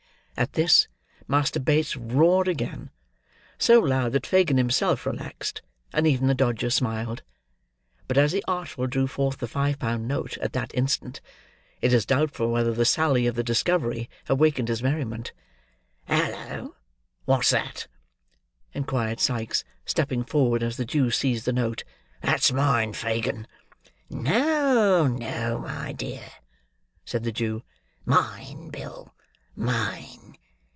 At his, Master Bates roared again: so loud, that Fagin himself relaxed, and even the Dodger smiled; but as the Artful drew forth the five pound note at that instant, it is doubtful whether the sally of the discovery awakened his merriment. "Hallo, what's that?" inquired Sikes, stepping forward as the Jew seized the note. "That's mine, Fagin." "No, no, my dear," said the Jew. "Mine, Bill, mine.